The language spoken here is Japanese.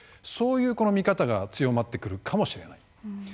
そういう見方が強まってくるかもしれない。